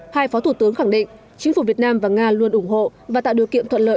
hai phó thủ tướng khẳng định chính phủ việt nam và nga luôn ủng hộ và tạo điều kiện thuận lợi